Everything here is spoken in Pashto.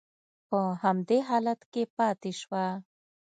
په همدې حالت کې پاتې شوه.